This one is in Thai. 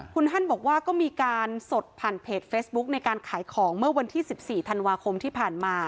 คุณฮันบอกว่าก็มีการสดผ่านเพจเฟซบุ๊กในการขายของเมื่อวันที่๑๔ธันวาคมที่ผ่านมา